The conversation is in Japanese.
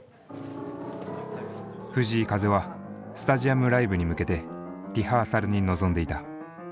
藤井風はスタジアムライブに向けてリハーサルに臨んでいた。